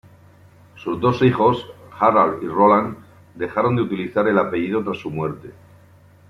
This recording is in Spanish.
Sus dos hijos, Harald y Roland, dejaron de utilizar el apellido tras su muerte.